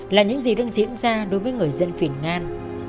là những gì đang diễn ra đối với người dân phiền ngan